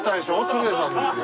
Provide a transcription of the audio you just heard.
鶴瓶さんですよ。